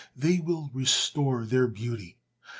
They will restore their beauty.